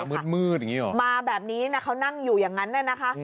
มืดอย่างนี้หรอมาแบบนี้นะเขานั่งอยู่อย่างนั้นน่ะนะคะ